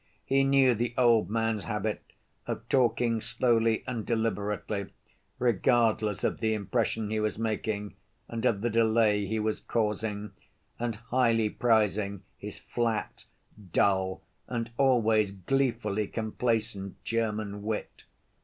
He knew the old man's habit of talking slowly and deliberately, regardless of the impression he was making and of the delay he was causing, and highly prizing his flat, dull and always gleefully complacent German wit.